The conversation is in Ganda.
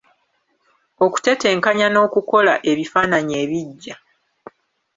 Okutetenkanya n'okukola ebifaananyi ebiggya .